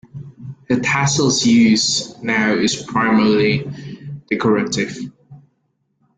The tassel's use now is primarily decorative.